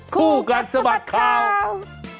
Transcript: คู่กันสมัครข่าว